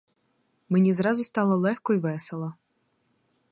Мені зразу стало легко й весело.